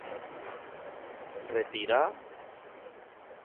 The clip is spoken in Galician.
¿Retíraa?